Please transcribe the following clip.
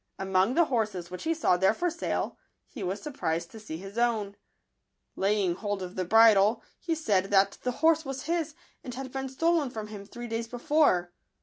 Among the horses which he saw there for sale, he was surprised to see his own. Lay ing hold of the bridle, he said that the horse was his, and had been stolen from him three days before.